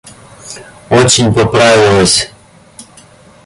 Очень поправилась.